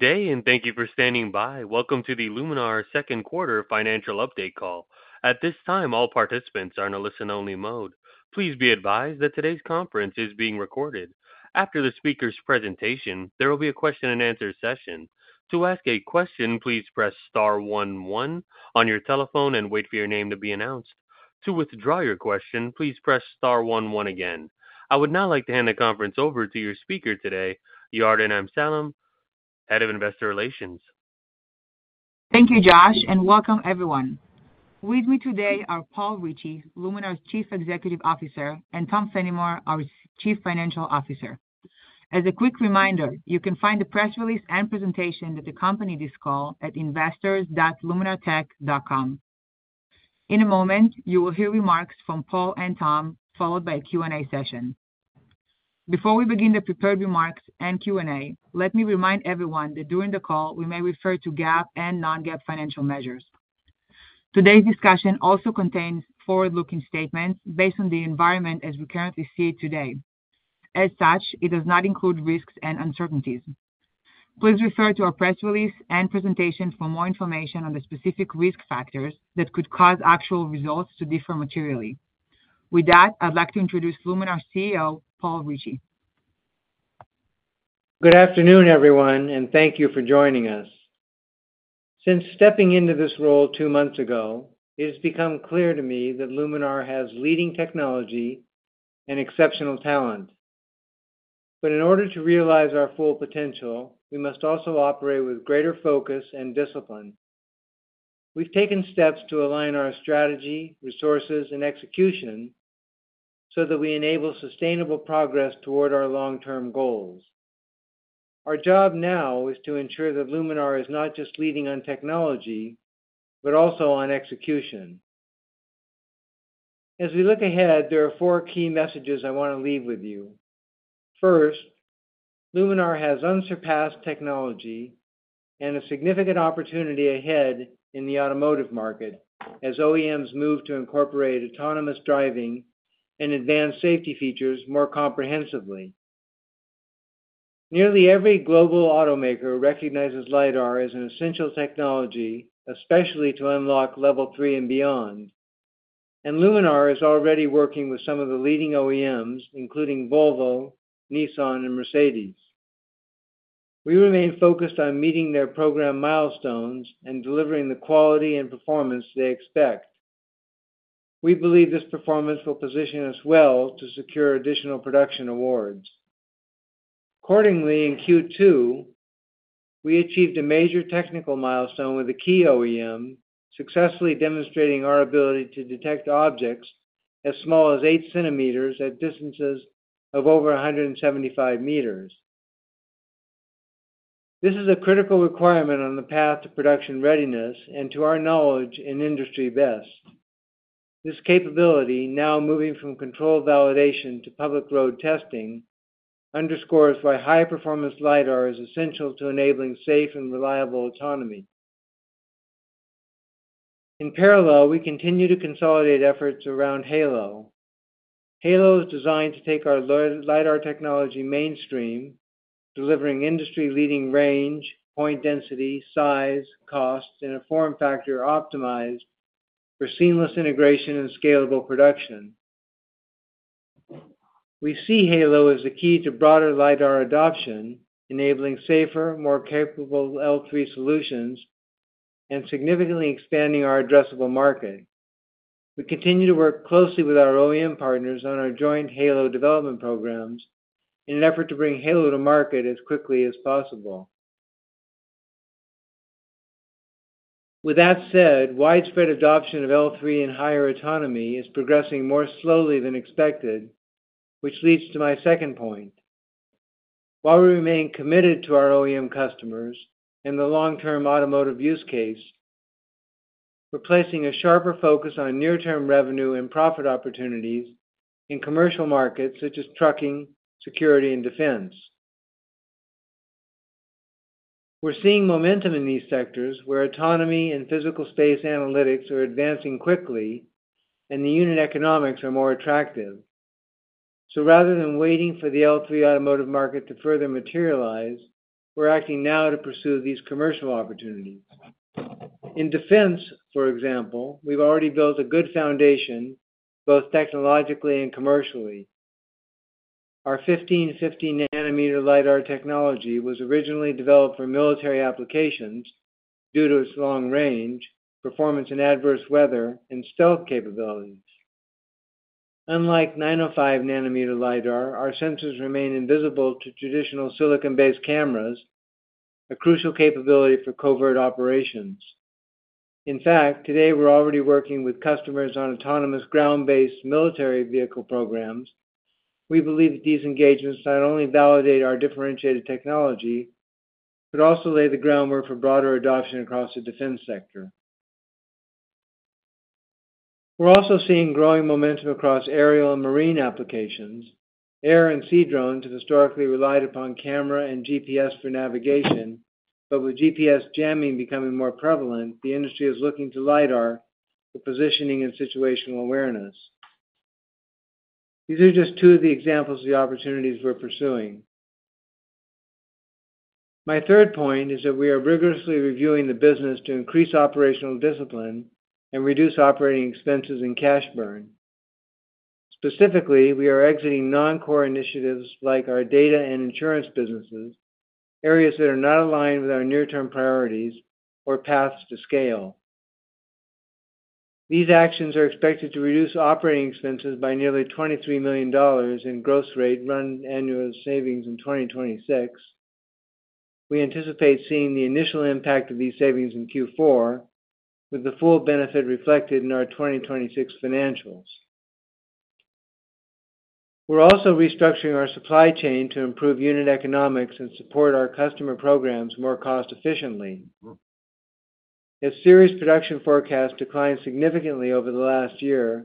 Day and thank you for standing by. Welcome to the Luminar's Second Quarter Financial Update Call. At this time, all participants are in a listen-only mode. Please be advised that today's conference is being recorded. After the speaker's presentation, there will be a question and answer session. To ask a question, please press star one one on your telephone and wait for your name to be announced. To withdraw your question, please press star one one again. I would now like to hand the conference over to your speaker today, Yarden Amsalem, Head of Investor Relations. Thank you, Jash, and welcome, everyone. With me today are Paul Ricci, Luminar's Chief Executive Officer, and Tom Fennimore, our Chief Financial Officer. As a quick reminder, you can find the press release and presentation of the company for this call at investors.luminartech.com. In a moment, you will hear remarks from Paul and Tom, followed by a Q&A session. Before we begin the prepared remarks and Q&A, let me remind everyone that during the call, we may refer to GAAP and non-GAAP financial measures. Today's discussion also contains forward-looking statements based on the environment as we currently see it today. As such, it does include risks and uncertainties. Please refer to our press release and presentation for more information on the specific risk factors that could cause actual results to differ materially. With that, I'd like to introduce Luminar' CEO, Paul Ricci. Good afternoon, everyone, and thank you for joining us. Since stepping into this role two months ago, it has become clear to me that Luminar has leading technology and exceptional talent. In order to realize our full potential, we must also operate with greater focus and discipline. We've taken steps to align our strategy, resources, and execution so that we enable sustainable progress toward our long-term goals. Our job now is to ensure that Luminar is not just leading on technology, but also on execution. As we look ahead, there are four key messages I want to leave with you. First, Luminar has unsurpassed technology and a significant opportunity ahead in the automotive market as OEMs move to incorporate autonomous driving and advanced safety features more comprehensively. Nearly every global automaker recognizes LiDAR as an essential technology, especially to unlock Level 3 and beyond. Luminar is already working with some of the leading OEMs, including Volvo, Nissan, and Mercedes. We remain focused on meeting their program milestones and delivering the quality and performance they expect. We believe this performance will position us well to secure additional production awards. Accordingly, in Q2, we achieved a major technical milestone with a key OEM successfully demonstrating our ability to detect objects as small as 8 cm at distances of over 175 m. This is a critical requirement on the path to production readiness and to our knowledge an industry best. This capability, now moving from controlled validation to public road testing, underscores why high-performance LiDAR is essential to enabling safe and reliable autonomy. In parallel, we continue to consolidate efforts around Halo. Halo is designed to take our LiDAR technology mainstream, delivering industry-leading range, point density, size, costs, and a form factor optimized for seamless integration and scalable production. We see Halo as the key to broader LiDAR adoption, enabling safer, more capable L3 solutions and significantly expanding our addressable market. We continue to work closely with our OEM partners on our joint Halo development programs in an effort to bring Halo to market as quickly as possible. With that said, widespread adoption of L3 and higher autonomy is progressing more slowly than expected, which leads to my second point. While we remain committed to our OEM customers and the long-term automotive use case, we're placing a sharper focus on near-term revenue and profit opportunities in commercial markets such as trucking, security, and defense. We're seeing momentum in these sectors where autonomy and physical space analytics are advancing quickly, and the unit economics are more attractive. Rather than waiting for the L3 automotive market to further materialize, we're acting now to pursue these commercial opportunities. In defense, for example, we've already built a good foundation both technologically and commercially. Our 1550 nm LiDAR technology was originally developed for military applications due to its long range, performance in adverse weather, and stealth capabilities. Unlike 905 nm LiDAR, our sensors remain invisible to traditional silicon-based cameras, a crucial capability for covert operations. In fact, today we're already working with customers on autonomous ground-based military vehicle programs. We believe that these engagements not only validate our differentiated technology but also lay the groundwork for broader adoption across the defense sector. We're also seeing growing momentum across aerial and marine applications. Air and sea drones have historically relied upon camera and GPS for navigation, but with GPS jamming becoming more prevalent, the industry is looking to LiDAR for positioning and situational awareness. These are just two of the examples of the opportunities we're pursuing. My third point is that we are rigorously reviewing the business to increase operational discipline and reduce operating expenses and cash burn. Specifically, we are exiting non-core initiatives like our data and insurance businesses, areas that are not aligned with our near-term priorities or paths to scale. These actions are expected to reduce operating expenses by nearly $23 million in gross rate run annual savings in 2026. We anticipate seeing the initial impact of these savings in Q4 with the full benefit reflected in our 2026 financials. We're also restructuring our supply chain to improve unit economics and support our customer programs more cost-efficiently. As series production forecasts declined significantly over the last year,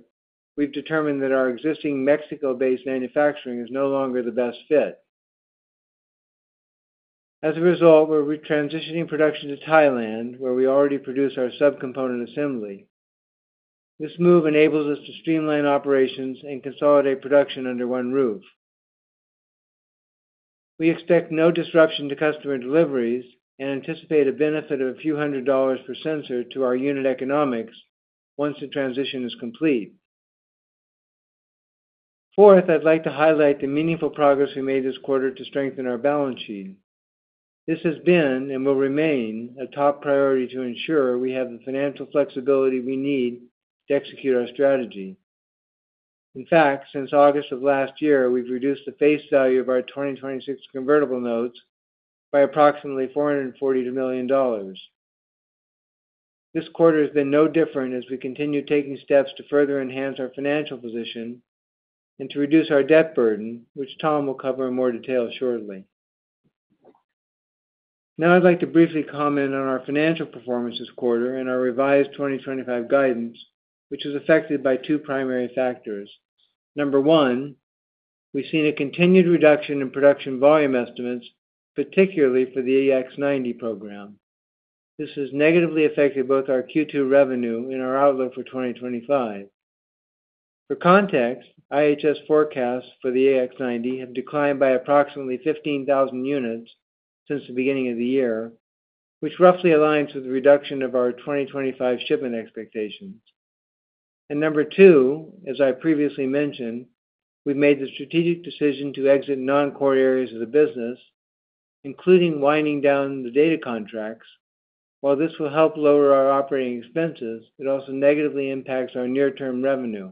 we've determined that our existing Mexico-based manufacturing is no longer the best fit. As a result, we're retransitioning production to Thailand, where we already produce our subcomponent assembly. This move enables us to streamline operations and consolidate production under one roof. We expect no disruption to customer deliveries and anticipate a benefit of a few hundred dollars per sensor to our unit economics once the transition is complete. Fourth, I'd like to highlight the meaningful progress we made this quarter to strengthen our balance sheet. This has been and will remain a top priority to ensure we have the financial flexibility we need to execute our strategy. In fact, since August of last year, we've reduced the face value of our 2026 convertible notes by approximately $440 million. This quarter has been no different as we continue taking steps to further enhance our financial position and to reduce our debt burden, which Tom will cover in more detail shortly. Now, I'd like to briefly comment on our financial performance this quarter and our revised 2025 guidance, which is affected by two primary factors. Number one, we've seen a continued reduction in production volume estimates, particularly for the EX90 program. This has negatively affected both our Q2 revenue and our outlook for 2025. For context, IHS forecasts for the EX90 have declined by approximately 15,000 units since the beginning of the year, which roughly aligns with the reduction of our 2025 shipment expectations. Number two, as I previously mentioned, we've made the strategic decision to exit non-core areas of the business, including winding down the data contracts. While this will help lower our operating expenses, it also negatively impacts our near-term revenue.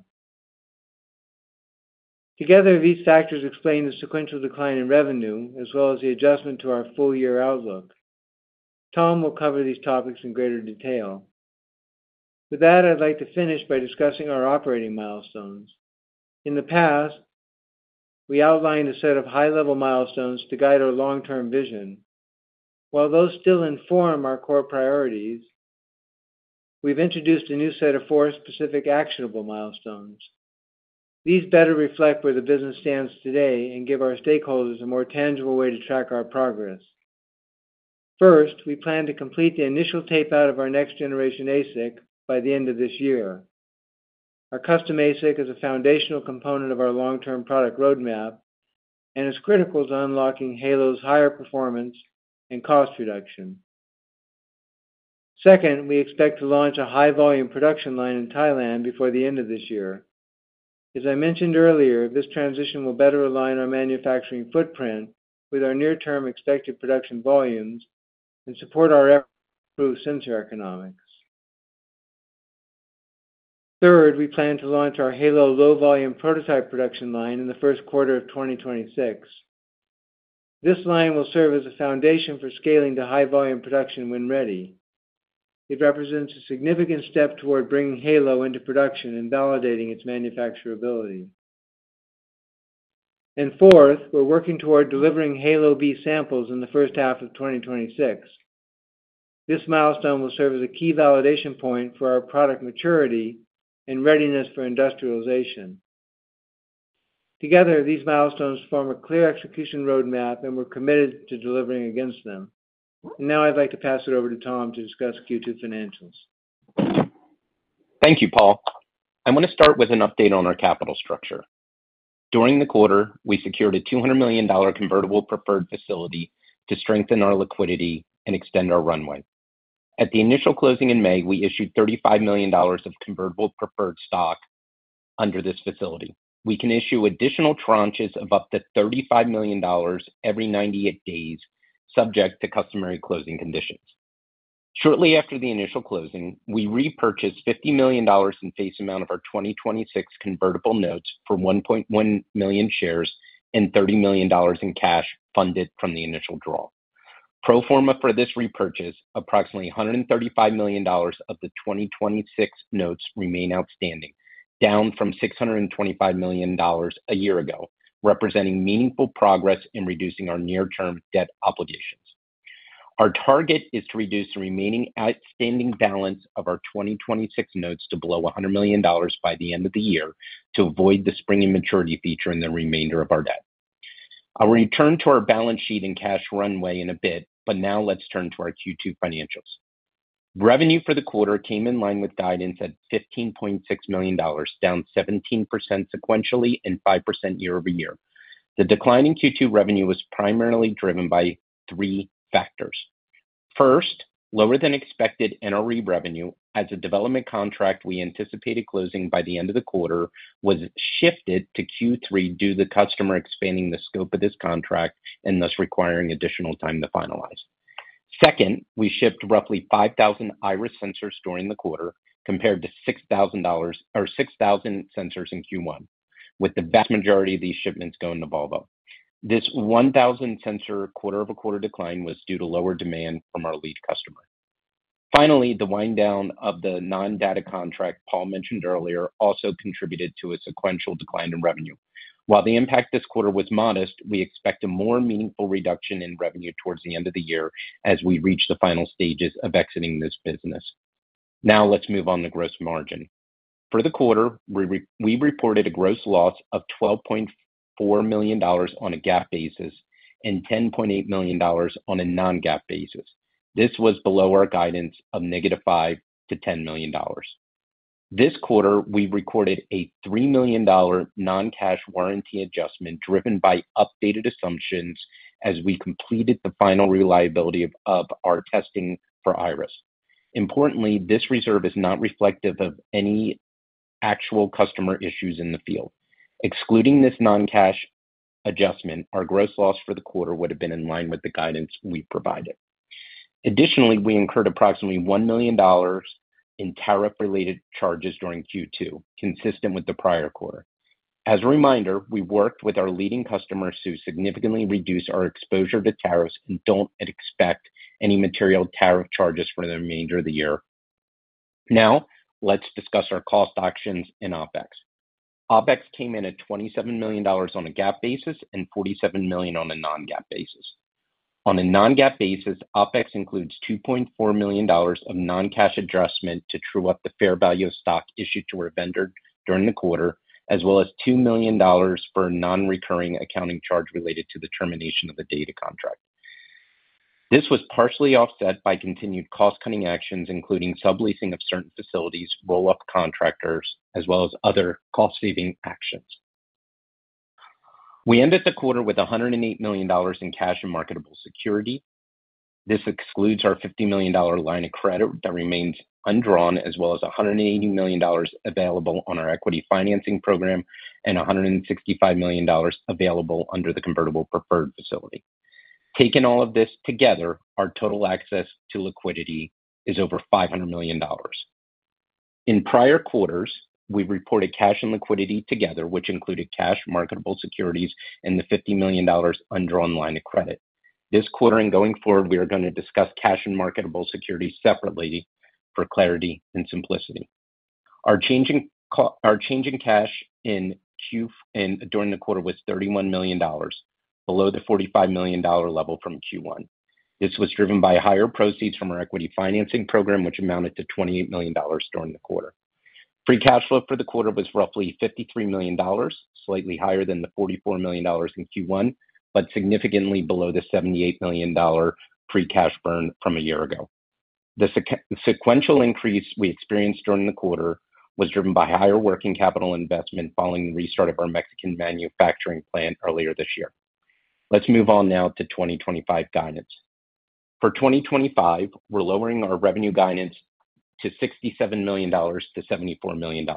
Together, these factors explain the sequential decline in revenue as well as the adjustment to our full-year outlook. Tom will cover these topics in greater detail. With that, I'd like to finish by discussing our operating milestones. In the past, we outlined a set of high-level milestones to guide our long-term vision. While those still inform our core priorities, we've introduced a new set of four specific actionable milestones. These better reflect where the business stands today and give our stakeholders a more tangible way to track our progress. First, we plan to complete the initial tapeout of our next-generation ASIC by the end of this year. Our custom ASIC is a foundational component of our long-term product roadmap and is critical to unlocking Halo's higher performance and cost reduction. Second, we expect to launch a high-volume production line in Thailand before the end of this year. As I mentioned earlier, this transition will better align our manufacturing footprint with our near-term expected production volumes and support our improved sensor economics. Third, we plan to launch our Halo low-volume prototype production line in the first quarter of 2026. This line will serve as a foundation for scaling to high-volume production when ready. It represents a significant step toward bringing Halo into production and validating its manufacturability. Fourth, we're working toward delivering Halo B samples in the first half of 2026. This milestone will serve as a key validation point for our product maturity and readiness for industrialization. Together, these milestones form a clear execution roadmap, and we're committed to delivering against them. Now I'd like to pass it over to Tom to discuss Q2 financials. Thank you, Paul. I want to start with an update on our capital structure. During the quarter, we secured a $200 million convertible preferred facility to strengthen our liquidity and extend our runway. At the initial closing in May, we issued $35 million of convertible preferred stock under this facility. We can issue additional tranches of up to $35 million every 98 days, subject to customary closing conditions. Shortly after the initial closing, we repurchased $50 million in face amount of our 2026 convertible notes for 1.1 million shares and $30 million in cash funded from the initial draw. Pro forma for this repurchase, approximately $135 million of the 2026 notes remain outstanding, down from $625 million a year ago, representing meaningful progress in reducing our near-term debt obligations. Our target is to reduce the remaining outstanding balance of our 2026 notes to below $100 million by the end of the year to avoid the spring immaturity feature in the remainder of our debt. I will return to our balance sheet and cash runway in a bit, but now let's turn to our Q2 financials. Revenue for the quarter came in line with guidance at $15.6 million, down 17% sequentially and 5% year-over-year. The decline in Q2 revenue was primarily driven by three factors. First, lower than expected NRE revenue, as a development contract we anticipated closing by the end of the quarter was shifted to Q3 due to the customer expanding the scope of this contract and thus requiring additional time to finalize. Second, we shipped roughly 5,000 IRIS sensors during the quarter, compared to 6,000 sensors in Q1, with the vast majority of these shipments going to Volvo. This 1,000 sensor quarter-over-quarter decline was due to lower demand from our lead customer. Finally, the wind-down of the non-data contract Paul mentioned earlier also contributed to a sequential decline in revenue. While the impact this quarter was modest, we expect a more meaningful reduction in revenue towards the end of the year as we reach the final stages of exiting this business. Now let's move on to gross margin. For the quarter, we reported a gross loss of $12.4 million on a GAAP basis and $10.8 million on a non-GAAP basis. This was below our guidance of -5 million to -$10 million. This quarter, we recorded a $3 million non-cash warranty adjustment driven by updated assumptions as we completed the final reliability of our testing for IRIS. Importantly, this reserve is not reflective of any actual customer issues in the field. Excluding this non-cash adjustment, our gross loss for the quarter would have been in line with the guidance we provided. Additionally, we incurred approximately $1 million in tariff-related charges during Q2, consistent with the prior quarter. As a reminder, we worked with our leading customers to significantly reduce our exposure to tariffs and don't expect any material tariff charges for the remainder of the year. Now let's discuss our cost actions and OpEx. OpEx came in at $27 million on a GAAP basis and $47 million on a non-GAAP basis. On a non-GAAP basis, OpEx includes $2.4 million of non-cash adjustment to true up the fair value of stock issued to our vendor during the quarter, as well as $2 million for a non-recurring accounting charge related to the termination of the data contract. This was partially offset by continued cost-cutting actions, including subleasing of certain facilities, roll-up contractors, as well as other cost-saving actions. We ended the quarter with $108 million in cash and marketable securities. This excludes our $50 million line of credit that remains undrawn, as well as $180 million available on our equity financing program and $165 million available under the convertible preferred facility. Taking all of this together, our total access to liquidity is over $500 million. In prior quarters, we reported cash and liquidity together, which included cash, marketable securities, and the $50 million undrawn line of credit. This quarter and going forward, we are going to discuss cash and marketable securities separately for clarity and simplicity. Our change in cash during the quarter was $31 million, below the $45 million level from Q1. This was driven by higher proceeds from our equity financing program, which amounted to $28 million during the quarter. Free cash flow for the quarter was roughly $53 million, slightly higher than the $44 million in Q1, but significantly below the $78 million pre-cash burn from a year ago. The sequential increase we experienced during the quarter was driven by higher working capital investment following the restart of our Mexican manufacturing plant earlier this year. Let's move on now to 2025 guidance. For 2025, we're lowering our revenue guidance to $67 million-$74 million.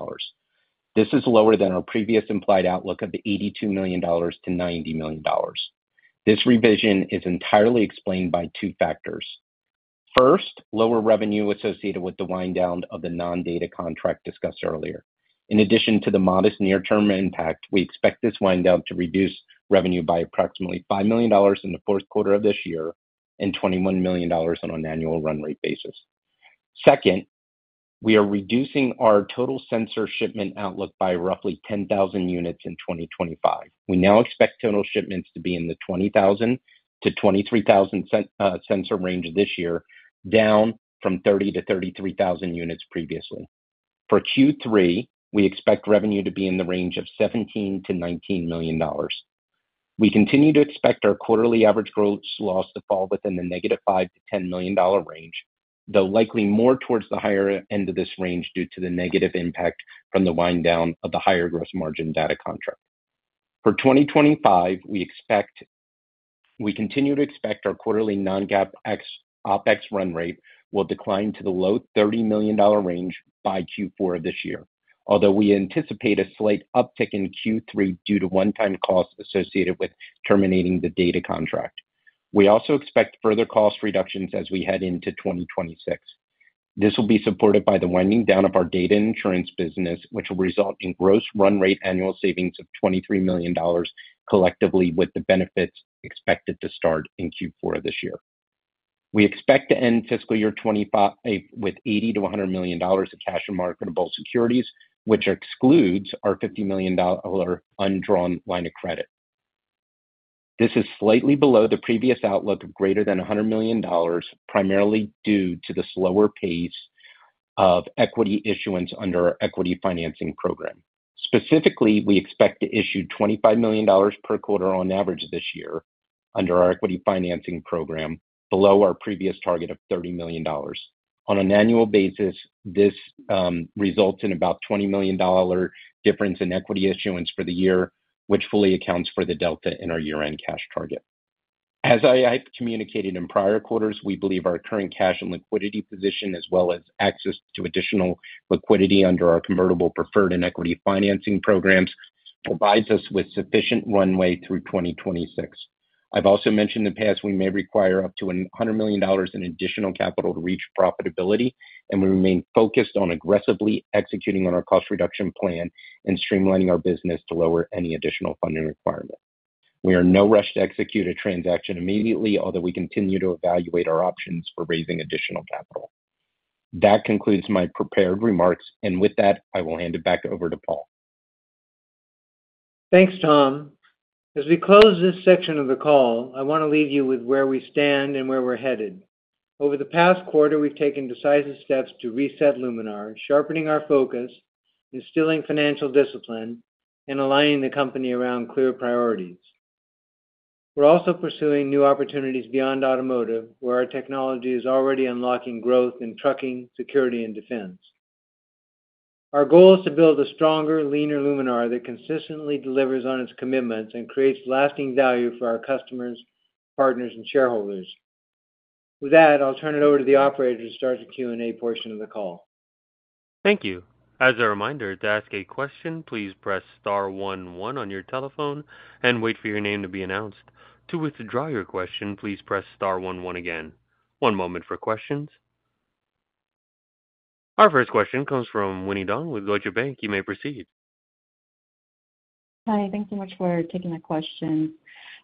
This is lower than our previous implied outlook of the $82 million-$90 million. This revision is entirely explained by two factors. First, lower revenue associated with the wind-down of the non-data contract discussed earlier. In addition to the modest near-term impact, we expect this wind-down to reduce revenue by approximately $5 million in the fourth quarter of this year and $21 million on an annual run rate basis. Second, we are reducing our total sensor shipment outlook by roughly 10,000 units in 2025. We now expect total shipments to be in the 20,000-23,000 sensor range this year, down from 30,000-33,000 units previously. For Q3, we expect revenue to be in the range of $17 million-$19 million. We continue to expect our quarterly average gross loss to fall within the -$5 million to -$10 million range, though likely more towards the higher end of this range due to the negative impact from the wind-down of the higher gross margin data contract. For 2025, we continue to expect our quarterly non-GAAP OpEx run rate will decline to the low $30 million range by Q4 of this year, although we anticipate a slight uptick in Q3 due to one-time costs associated with terminating the data contract. We also expect further cost reductions as we head into 2026. This will be supported by the winding down of our data insurance business, which will result in gross run rate annual savings of $23 million collectively with the benefits expected to start in Q4 of this year. We expect to end fiscal year 2025 with $80 million- $100 million of cash and marketable securities, which excludes our $50 million undrawn line of credit. This is slightly below the previous outlook of greater than $100 million, primarily due to the slower pace of equity issuance under our equity financing program. Specifically, we expect to issue $25 million per quarter on average this year under our equity financing program, below our previous target of $30 million. On an annual basis, this results in about a $20 million difference in equity issuance for the year, which fully accounts for the delta in our year-end cash target. As I have communicated in prior quarters, we believe our current cash and liquidity position, as well as access to additional liquidity under our convertible preferred and equity financing programs, provides us with sufficient runway through 2026. I've also mentioned in the past we may require up to $100 million in additional capital to reach profitability, and we remain focused on aggressively executing on our cost reduction plan and streamlining our business to lower any additional funding requirements. We are in no rush to execute a transaction immediately, although we continue to evaluate our options for raising additional capital. That concludes my prepared remarks, and with that, I will hand it back over to Paul. Thanks, Tom. As we close this section of the call, I want to leave you with where we stand and where we're headed. Over the past quarter, we've taken decisive steps to reset Luminar, sharpening our focus, instilling financial discipline, and aligning the company around clear priorities. We're also pursuing new opportunities beyond automotive, where our technology is already unlocking growth in trucking, security, and defense. Our goal is to build a stronger, leaner Luminar that consistently delivers on its commitments and creates lasting value for our customers, partners, and shareholders. With that, I'll turn it over to the operator to start the Q&A portion of the call. Thank you. As a reminder, to ask a question, please press star one one on your telephone and wait for your name to be announced. To withdraw your question, please press star one one again. One moment for questions. Our first question comes from Winnie Dong with Deutsche Bank. You may proceed. Hi, thanks so much for taking my question.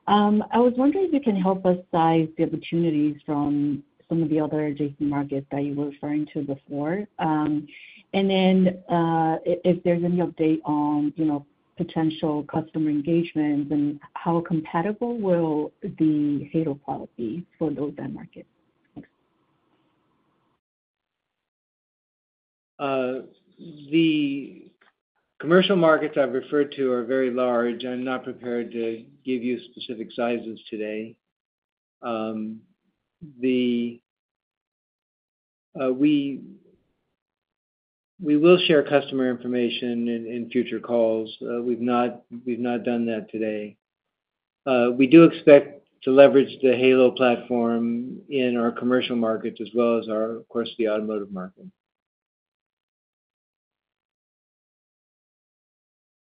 I was wondering if you can help us size the opportunities from some of the other adjacent markets that you were referring to before. If there's any update on, you know, potential customer engagements and how compatible will the Halo product be for those end markets? The commercial markets I've referred to are very large. I'm not prepared to give you specific sizes today. We will share customer information in future calls. We've not done that today. We do expect to leverage the Halo platform in our commercial markets as well as, of course, the automotive market.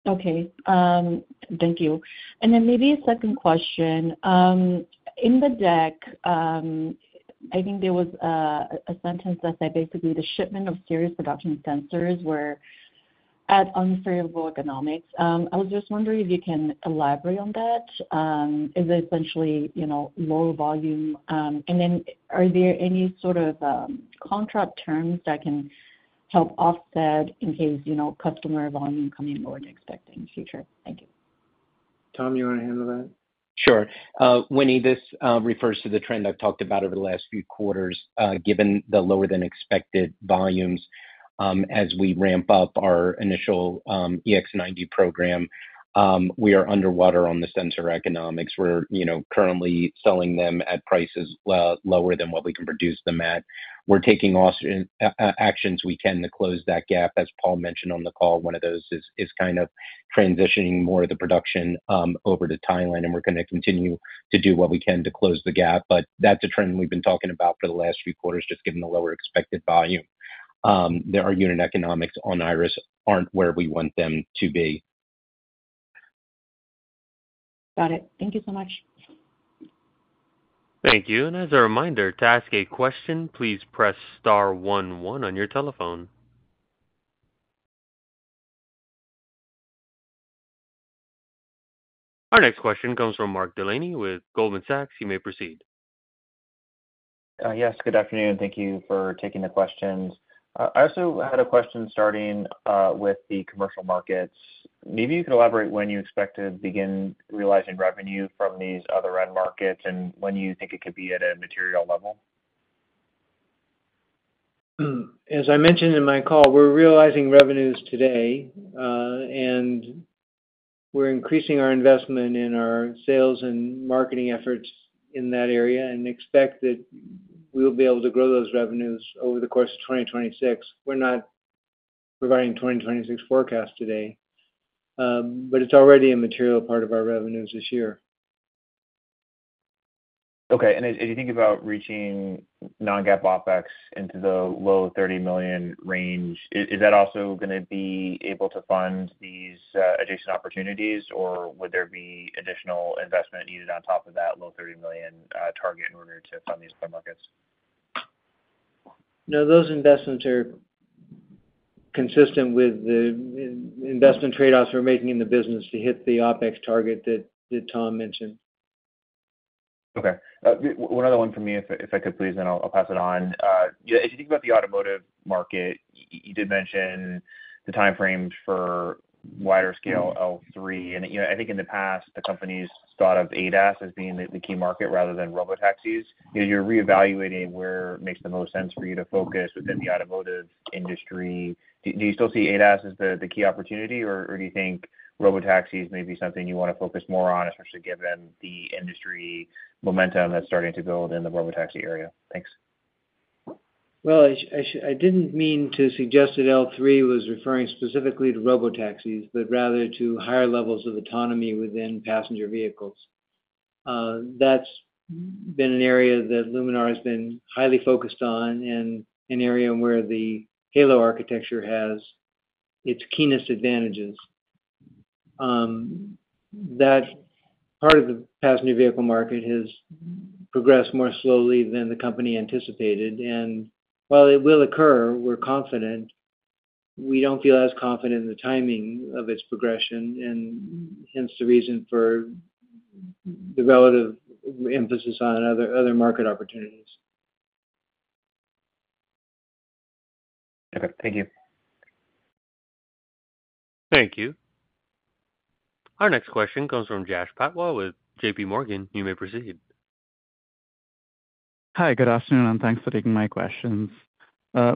Okay. Thank you. Maybe a second question. In the deck, I think there was a sentence that said basically the shipment of series production sensors were at unfavorable economics. I was just wondering if you can elaborate on that. Is it essentially, you know, lower volume? Are there any sort of contract terms that can help offset in case, you know, customer volume coming lower than expected in the future? Thank you. Tom, you want to handle that? Sure. Winnie, this refers to the trend I've talked about over the last few quarters, given the lower than expected volumes. As we ramp up our initial EX90 program, we are underwater on the sensor economics. We're currently selling them at prices lower than what we can produce them at. We're taking actions. We intend to close that gap. As Paul mentioned on the call, one of those is transitioning more of the production over to Thailand, and we're going to continue to do what we can to close the gap. That's a trend we've been talking about for the last few quarters, just given the lower expected volume. Our unit economics on Iris aren't where we want them to be. Got it. Thank you so much. Thank you. As a reminder, to ask a question, please press star one one on your telephone. Our next question comes from Mark Delaney with Goldman Sachs. You may proceed. Yes. Good afternoon. Thank you for taking the questions. I also had a question starting with the commercial markets. Maybe you can elaborate when you expect to begin realizing revenue from these other end markets and when you think it could be at a material level? As I mentioned in my call, we're realizing revenues today, and we're increasing our investment in our sales and marketing efforts in that area and expect that we'll be able to grow those revenues over the course of 2026. We're not regarding the 2026 forecast today, but it's already a material part of our revenues this year. Okay. As you think about reaching non-GAAP OpEx into the low $30 million range, is that also going to be able to fund these adjacent opportunities, or would there be additional investment needed on top of that low $30 million target in order to fund these other markets? No, those investments are consistent with the investment trade-offs we're making in the business to hit the OpEx target that Tom mentioned. Okay. One other one from me, if I could please, and then I'll pass it on. As you think about the automotive market, you did mention the timeframes for wider scale L3. I think in the past, the companies thought of ADAS as being the key market rather than robotaxis. You're reevaluating where it makes the most sense for you to focus within the automotive industry. Do you still see ADAS as the key opportunity, or do you think robotaxis may be something you want to focus more on, especially given the industry momentum that's starting to build in the robotaxi area? Thanks. I didn't mean to suggest that L3 was referring specifically to robotaxis, but rather to higher levels of autonomy within passenger vehicles. That's been an area that Luminar has been highly focused on and an area where the Halo architecture has its keenest advantages. That part of the passenger vehicle market has progressed more slowly than the company anticipated. While it will occur, we're confident, we don't feel as confident in the timing of its progression, and hence the reason for the relative emphasis on other market opportunities. Okay, thank you. Thank you. Our next question comes from Jash Patwa with JPMorgan. You may proceed. Hi. Good afternoon, and thanks for taking my questions.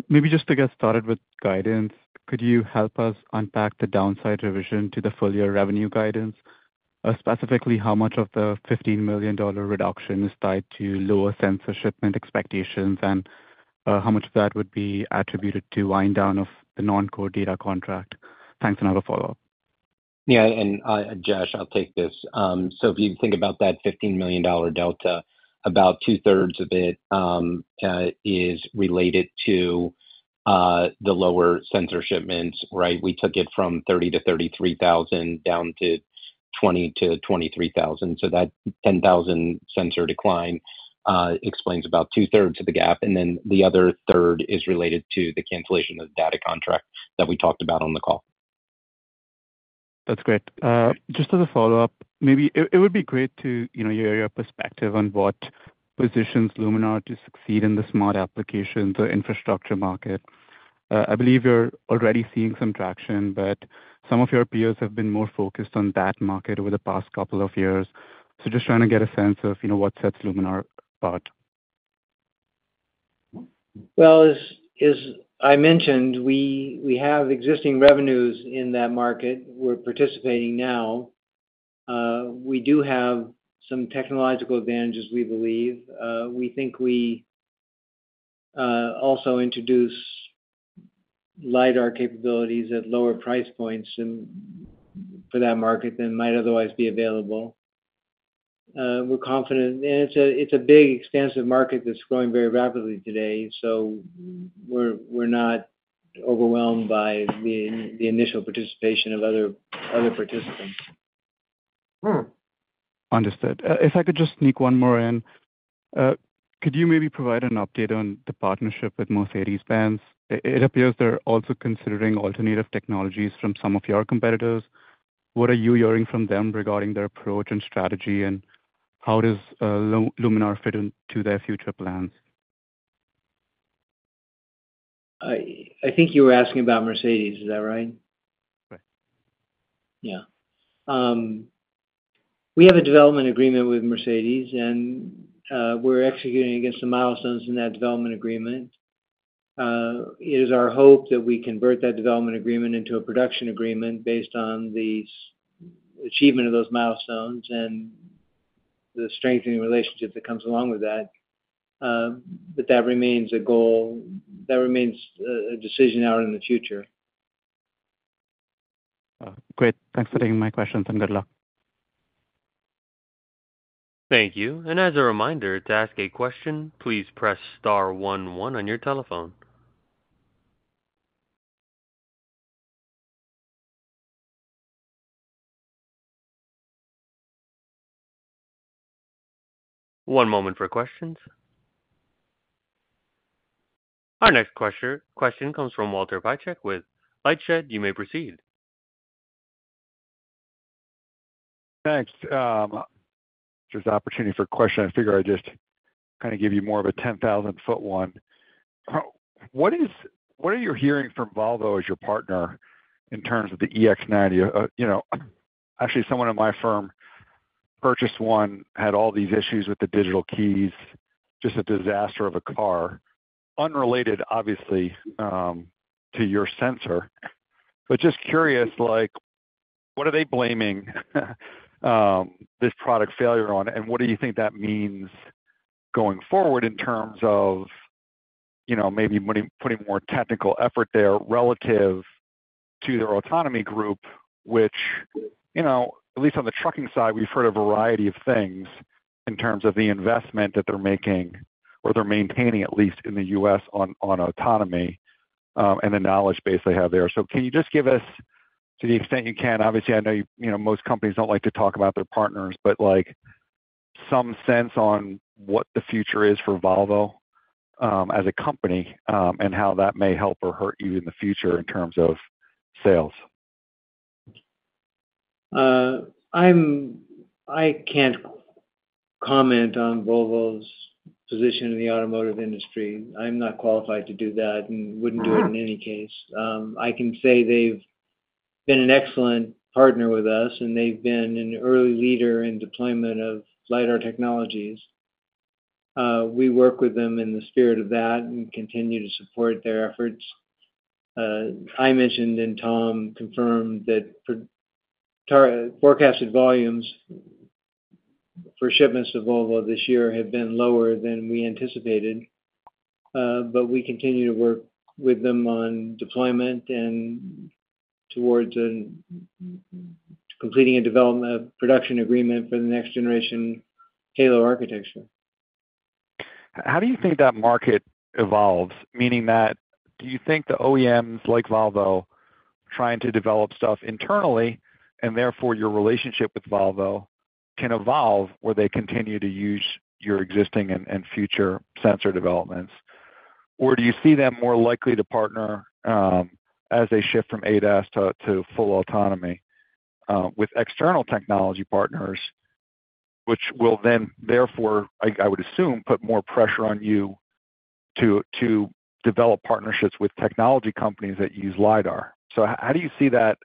Maybe just to get started with guidance, could you help us unpack the downside revision to the full-year revenue guidance? Specifically, how much of the $15 million reduction is tied to lower sensor shipment expectations, and how much of that would be attributed to the wind-down of the non-core data contract? Thanks, another follow-up. Yeah. Josh, I'll take this. If you think about that $15 million delta, about 2/3 of it is related to the lower sensor shipments, right? We took it from 30,000-33,000 down to 20,000-23,000. That 10,000 sensor decline explains about 2/3 of the gap. The other third is related to the cancellation of the data contract that we talked about on the call. That's great. Just as a follow-up, maybe it would be great to hear your perspective on what positions Luminar to succeed in the smart applications or infrastructure market. I believe you're already seeing some traction, but some of your peers have been more focused on that market over the past couple of years. Just trying to get a sense of what sets Luminar apart. As I mentioned, we have existing revenues in that market. We're participating now. We do have some technological advantages, we believe. We think we also introduce LiDAR capabilities at lower price points for that market than might otherwise be available. We're confident, and it's a big, expansive market that's growing very rapidly today. We're not overwhelmed by the initial participation of other participants. Understood. If I could just sneak one more in, could you maybe provide an update on the partnership with Mercedes-Benz? It appears they're also considering alternative technologies from some of your competitors. What are you hearing from them regarding their approach and strategy, and how does Luminar fit into their future plans? I think you were asking about Mercedes. Is that right? Right. We have a development agreement with Mercedes, and we're executing against the milestones in that development agreement. It is our hope that we convert that development agreement into a production agreement based on the achievement of those milestones and the strengthening relationship that comes along with that. That remains a goal that remains a decision out in the future. Great, thanks for taking my question. Thank you. Thank you. As a reminder, to ask a question, please press star one one on your telephone. One moment for questions. Our next question comes from Walter Piecyk with LightShed. You may proceed. Thanks. There's an opportunity for a question. I figure I just kind of give you more of a 10,000-foot one. What are you hearing from Volvo as your partner in terms of the EX90? Actually, someone in my firm purchased one, had all these issues with the digital keys, just a disaster of a car, unrelated, obviously, to your sensor. Just curious, what are they blaming this product failure on? What do you think that means going forward in terms of maybe putting more technical effort there relative to their autonomy group, which, at least on the trucking side, we've heard a variety of things in terms of the investment that they're making or they're maintaining, at least in the U.S., on autonomy and the knowledge base they have there. Can you just give us, to the extent you can, obviously, I know most companies don't like to talk about their partners, but some sense on what the future is for Volvo as a company and how that may help or hurt you in the future in terms of sales? I can't comment on Volvo's position in the automotive industry. I'm not qualified to do that and wouldn't do it in any case. I can say they've been an excellent partner with us, and they've been an early leader in deployment of LiDAR technologies. We work with them in the spirit of that and continue to support their efforts. I mentioned, and Tom confirmed, that forecasted volumes for shipments to Volvo this year have been lower than we anticipated. We continue to work with them on deployment and towards completing a development production agreement for the next-generation Halo architecture. How do you think that market evolves, meaning that do you think the OEMs like Volvo are trying to develop stuff internally and therefore your relationship with Volvo can evolve where they continue to use your existing and future sensor developments? Do you see them more likely to partner as they shift from ADAS to full autonomy with external technology partners, which will then, I would assume, put more pressure on you to develop partnerships with technology companies that use LiDAR? How do you see that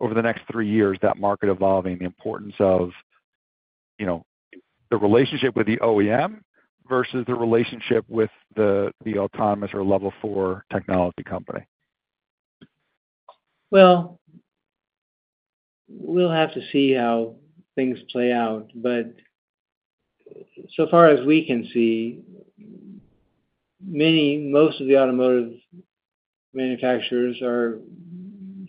over the next three years, that market evolving, the importance of the relationship with the OEM versus the relationship with the autonomous or Level 4 technology company? As far as we can see, most of the automotive manufacturers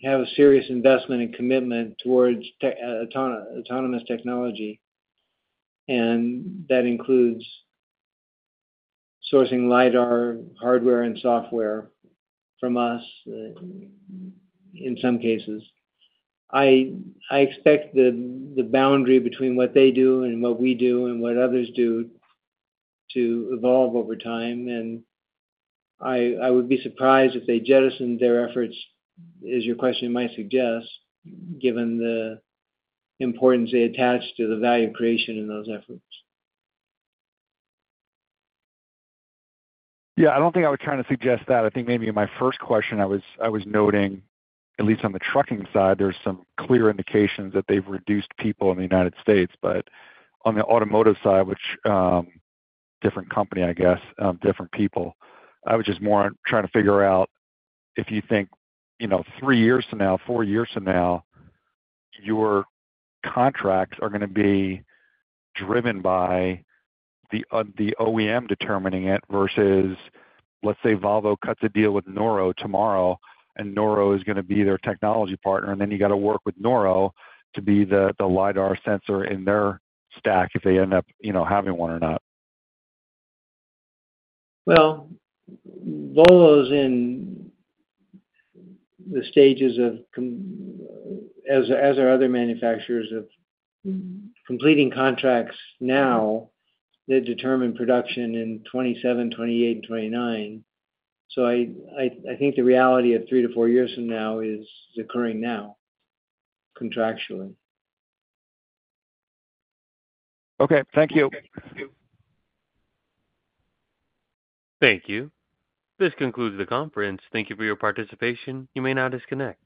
have a serious investment and commitment towards autonomous technology. That includes sourcing LiDAR hardware and software from us in some cases. I expect the boundary between what they do and what we do and what others do to evolve over time. I would be surprised if they jettisoned their efforts, as your question might suggest, given the importance they attach to the value creation in those efforts. Yeah, I don't think I was trying to suggest that. I think maybe in my first question, I was noting, at least on the trucking side, there's some clear indications that they've reduced people in the United States. On the automotive side, which is a different company, I guess different people, I was just more trying to figure out if you think, you know, three years from now, four years from now, your contracts are going to be driven by the OEM determining it versus, let's say, Volvo cuts a deal with Nuro tomorrow and Nuro is going to be their technology partner, and then you have to work with Nuro to be the LiDAR sensor in their stack if they end up, you know, having one or not. Volvo is in the stages of, as our other manufacturers, of completing contracts now that determine production in 2027, 2028, and 2029. I think the reality of 3-4 years from now is occurring now contractually. Okay, thank you. Thank you. This concludes the conference. Thank you for your participation. You may now disconnect.